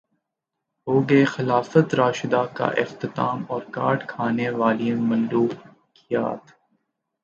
ہوگئے خلافت راشدہ کا اختتام اور کاٹ کھانے والی ملوکیت